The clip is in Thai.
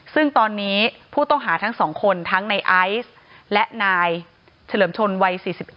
ซึ่งตอนนี้ผู้ต้องหาทั้ง๒คนทั้งในไอซ์และนายเฉลิมชนวัย๔๑